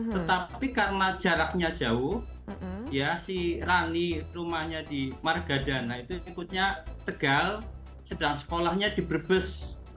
tetapi karena jaraknya jauh ya si rani rumahnya di margadana itu ikutnya tegal sedang sekolahnya di brebes